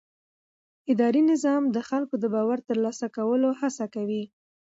اداري نظام د خلکو د باور د ترلاسه کولو هڅه کوي.